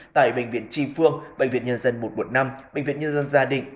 tại bệnh viện tri phương bệnh viện nhân dân một trăm một mươi năm bệnh viện nhân dân gia định